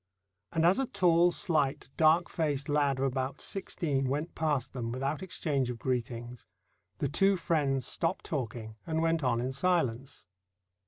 And as a tall, slight, dark faced lad of about sixteen went past them without exchange of greetings, the two friends stopped talking and went on in silence.